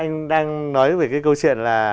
anh đang nói về cái câu chuyện là